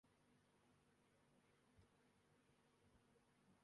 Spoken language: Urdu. مگر اب گوادر پر اجارہ داری اور اس پر قبضہ ہندوستان کا خواب بن کے رہ گیا۔